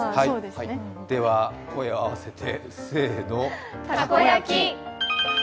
では声を合わせてせーの、たこやき！